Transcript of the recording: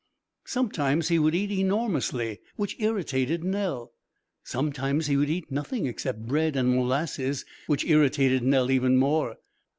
Sometimes he would eat enormously, which irritated Nell; sometimes he would eat nothing except bread and molasses, which irritated Nell even more.